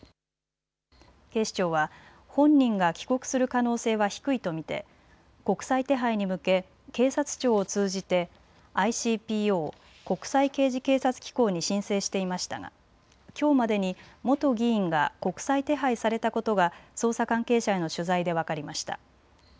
警視庁は本人が帰国する可能性は低いと見て国際手配に向け、警察庁を通じてＩＣＰＯ国際刑事警察機構に申請していましたがきょうまでに元議員が国際手配されたことが捜査関係者への取材で分かりました。